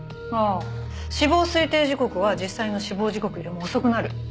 ああ死亡推定時刻は実際の死亡時刻よりも遅くなる。